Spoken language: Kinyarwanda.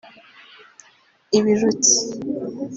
ibirutsi